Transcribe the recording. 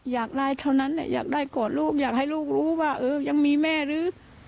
อยากได้เท่านั้นแหละอยากได้กอดลูกอยากให้ลูกรู้ว่าเออยังมีแม่หรือ